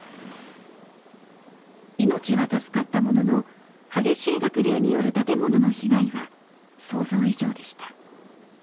命は助かったものの激しい濁流による建物の被害は想像以上でした。